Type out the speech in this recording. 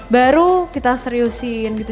baru kita seriusin gitu